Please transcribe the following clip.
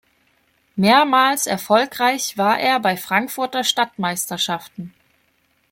Mehrmals erfolgreich war er bei Frankfurter Stadtmeisterschaften.